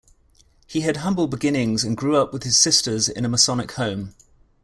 He had humble beginnings and grew up with his sisters in a Masonic home.